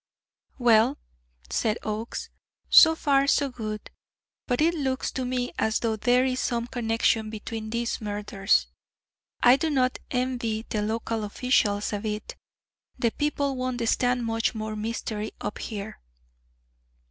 "Well," said Oakes, "so far so good; but it looks to me as though there is some connection between these murders. I do not envy the local officials a bit; the people won't stand much more mystery up here.